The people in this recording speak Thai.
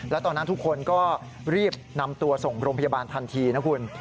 แล้วตอนนั้นทุกคนก็รีบนำตัวส่งโรงพยาบาลทันทีนะคุณ